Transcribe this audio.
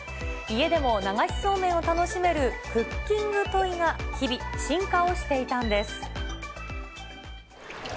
家でも流しそうめんを楽しめるクッキングトイが日々、進化をしていたんです。